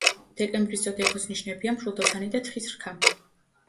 დეკემბრის ზოდიაქოს ნიშნებია მშვილდოსანი და თხის რქა.